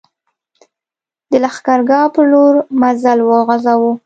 د لښکرګاه پر لور مزل وغځاوه.